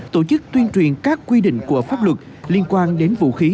tổ chức tuyên truyền các quy định của pháp luật liên quan đến vũ khí